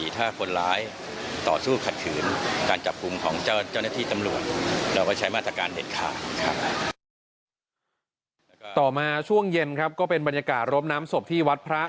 ต่อมาช่วงเย็นครับก็เป็นบรรยากาศรบน้ำศพที่วัดพระ